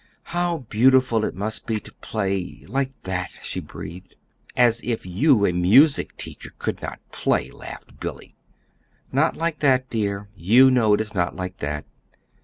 "How beautiful it must be to play like that," she breathed. "As if you, a music teacher, could not play!" laughed Billy. "Not like that, dear. You know it is not like that."